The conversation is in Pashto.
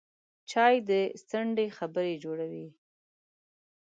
چای د څنډې خبرې جوړوي